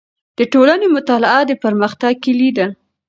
د ټولنې مطالعه د پرمختګ کیلي ده.